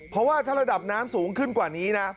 เพราะว่าถ้าระดับน้ำสูงขึ้นกว่านี้นะ